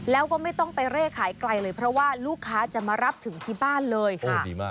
แล้วก็ไม่ต้องไปเร่ขายไกลเลยเพราะว่าลูกค้าจะมารับถึงที่บ้านเลยค่ะดีมาก